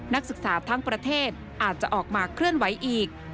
นักศึกษาทั้งประเทศอาจจะออกมาเคลื่อนไหวอีก